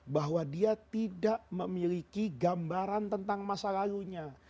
bahwa dia tidak memiliki gambaran tentang masa lalunya